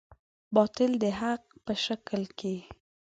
باطل د حق په شکل کې.